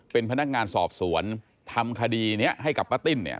เป็นพนักงานสอบสวนทำคดีนี้ให้กับป้าติ้นเนี่ย